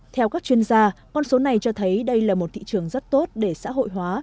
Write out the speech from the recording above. theo các chuyên gia con số này cho thấy đây là một thị trường rất tốt để xã hội hóa